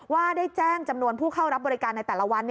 ว่าได้แจ้งจำนวนผู้เข้ารับบริการในแต่ละวัน